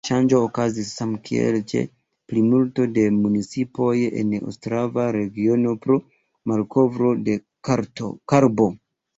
Ŝanĝo okazis, samkiel ĉe plimulto de municipoj en Ostrava-regiono, pro malkovro de karbo.